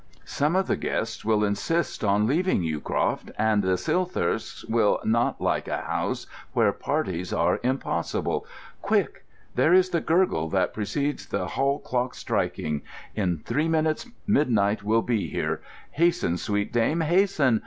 Some of the guests will insist on leaving Yewcroft, and the Silthirsks will not like a house where parties are impossible. Quick! There is the gurgle that preludes the hall clock's striking. In three minutes midnight will be here. Hasten, sweet dame, hasten!